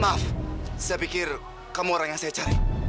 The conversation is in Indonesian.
maaf saya pikir kamu orang yang saya cari